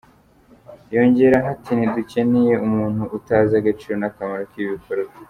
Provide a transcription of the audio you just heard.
Yongeraho ati”Ntidukeneye umuntu utazi agaciro n’akamaro k’ibi bikorwa.